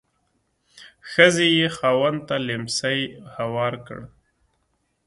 ښځې یې خاوند ته لیهمڅی هوار کړ.